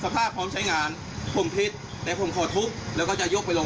สำหรับท่านท่านเรียกรถดัดแปลง